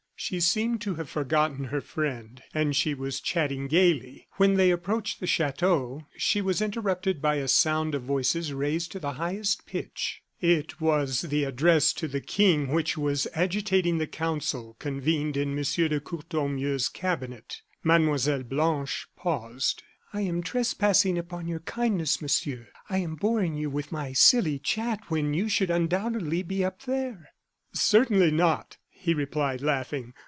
She seemed to have forgotten her friend, and she was chatting gayly. When they approached the chateau, she was interrupted by a sound of voices raised to the highest pitch. It was the address to the King which was agitating the council convened in M. de Courtornieu's cabinet. Mlle. Blanche paused. "I am trespassing upon your kindness, Monsieur. I am boring you with my silly chat when you should undoubtedly be up there." "Certainly not," he replied, laughing.